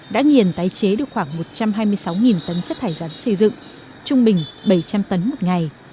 đã nghiền tái chế được khoảng một trăm hai mươi sáu tấn chất thải rắn xây dựng trung bình bảy trăm linh tấn một ngày